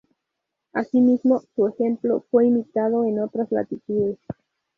Asimismo, su ejemplo fue imitado en otras latitudes.